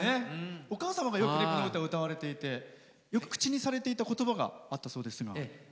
お母様が、この歌をよく口にされていてよく口にされていた言葉があったそうです。